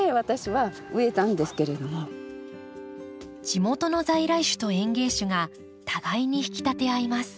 地元の在来種と園芸種が互いに引き立て合います。